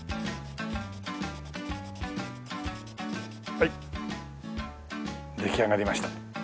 はい出来上がりました。